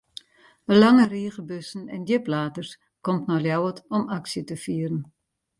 In lange rige bussen en djipladers komt nei Ljouwert om aksje te fieren.